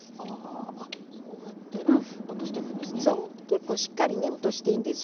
結構しっかりね落としていいんですよ。